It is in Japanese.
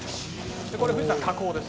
これ富士山火口です。